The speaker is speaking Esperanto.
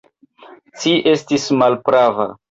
Ci estis malprava.